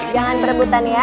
jangan berebutan ya